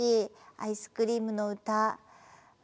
「アイスクリームのうた」